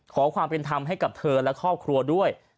ขอความเป็นธรรมให้กับเธอและครอบครัวด้วย